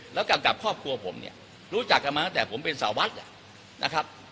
แล้วกับครอบครัวผมเนี่ยรู้จักกันมาตั้งแต่ผมเป็นสาววัดนะครับ